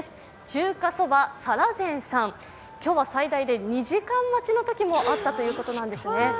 中華蕎麦沙羅善さん、今日は最大で２時間待ちのこともあったということなんですね。